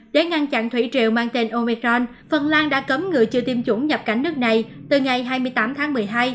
để ngăn chặn thủy triều mang tên omecron phần lan đã cấm người chưa tiêm chủng nhập cảnh nước này từ ngày hai mươi tám tháng một mươi hai